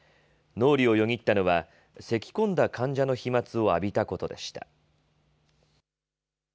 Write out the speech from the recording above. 脳裏をよぎったのは、せき込んだ患者の飛まつを浴びたことでした。